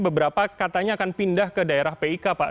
beberapa katanya akan pindah ke daerah pik pak